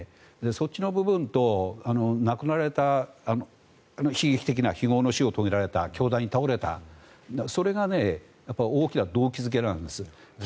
そっちの部分と亡くなられた悲劇的な非業の死を遂げられた凶弾に倒れた、それがきっと大きな動機付けなんです。